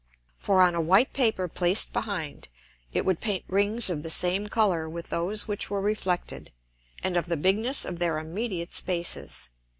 For on a white Paper placed behind, it would paint Rings of the same Colour with those which were reflected, and of the bigness of their immediate Spaces.